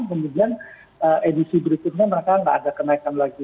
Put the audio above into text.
kemudian edisi berikutnya mereka tidak ada kenaikan lagi